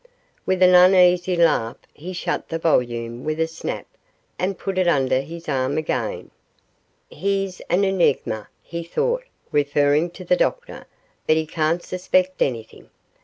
With an uneasy laugh he shut the volume with a snap, and put it under his arm again. 'He's an enigma,' he thought, referring to the doctor; 'but he can't suspect anything.